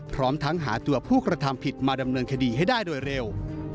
พร้อมทั้งหาตัวผู้กระทำผิดมาดำเนินคดีให้ได้โดยเร็ว